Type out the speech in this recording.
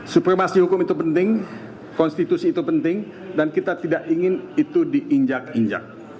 supremasi hukum itu penting konstitusi itu penting dan kita tidak ingin itu diinjak injak